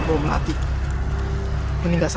olham dia di antar libya